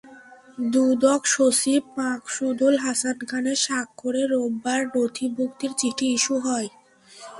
দুদক সচিব মাকসুদুল হাসান খানের স্বাক্ষরে রোববার নথিভুক্তির চিঠি ইস্যু হয়।